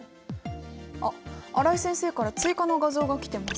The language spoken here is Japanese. あ新井先生から追加の画像が来てます。